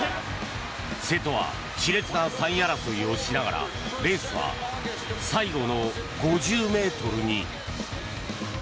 瀬戸は熾烈な３位争いをしながらレースは最後の５０ｍに。